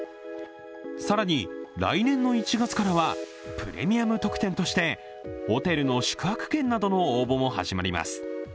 更に、来年の１月からはプレミアム特典としてホテルの宿泊券などの応募も始まります。